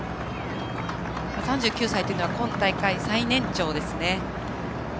３９歳というのは今大会最年長ですね。